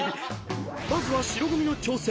［まずは白組の挑戦］